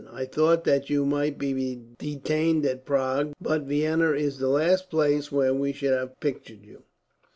I thought that you might be detained at Prague, but Vienna is the last place where we should have pictured you.